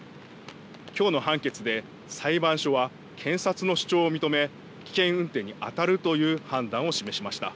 きょうの判決で裁判所は検察の主張を認め、危険運転にあたるという判断を示しました。